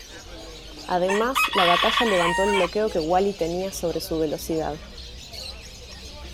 Además, la batalla levantó el bloqueo que Wally tenía sobre su velocidad.